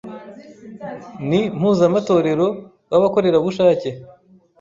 ni mpuzamatorero w’abakorerabushake